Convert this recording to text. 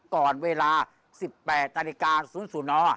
ก่อนเวลา๑๘นาฬิกา๐๐น